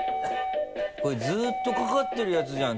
これずっとかかってるやつじゃん